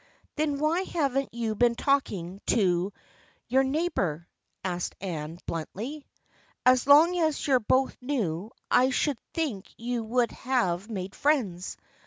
" Then why haven't you been talking to your 28 THE FRIENDSHIP OF ANNE neighbor ?" asked Anne, bluntly. " As long as you're both new I should think you would have made friends.